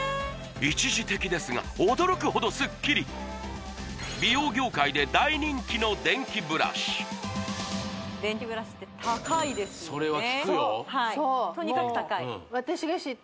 一時的ですが驚くほどすっきり美容業界で大人気の電気ブラシそれは聞くよ